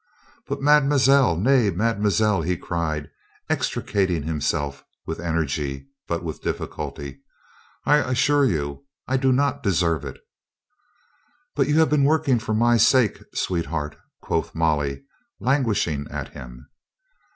"But, mademoiselle, nay mademoiselle," he cried, extricating himself with energy, but with difficulty. "I assure you I do not deserve it." "But you have been working for my sake, sweet heart," quoth Molly, languishing at him.